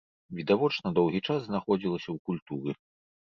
Відавочна, доўгі час знаходзілася ў культуры.